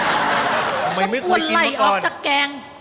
ช่วงกวนไหลออกจากแกง